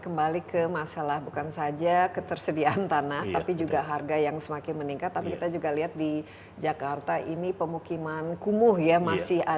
yang lainnya saya ingin saya diketahui adalah kita sudah menyiapkan program programnya di dalam perancanan bisnis kita